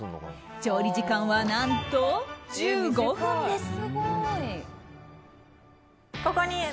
調理時間は何と１５分です。